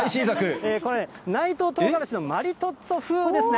これね、内藤とうがらしのマリトッツォ風ですね。